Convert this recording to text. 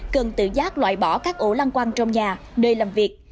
cần tự giác loại bỏ các ổ lăng quăng trong nhà nơi làm việc